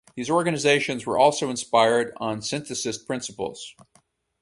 These organizations were also inspired on synthesist principles.